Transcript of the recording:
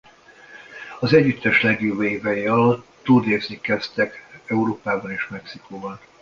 Az együttes legjobb évei alatt turnézni kezdted Európában és Mexikóban.